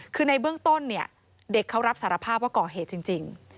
คือในเบื้องต้นเนี่ยเด็กเขารับสารภาพว่าก่อเหตุจริง